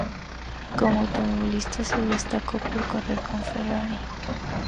Como automovilista se destacó por correr con Ferrari.